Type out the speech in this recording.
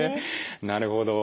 なるほど。